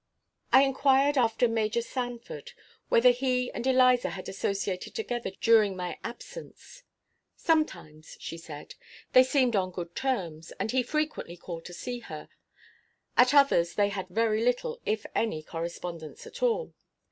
I inquired after Major Sanford; whether he and Eliza had associated together during my absence. Sometimes, she said, they seemed on good terms, and he frequently called to see her; at others they had very little, if any, correspondence at all.